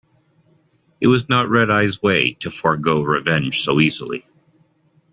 It was not Red-Eye's way to forego revenge so easily.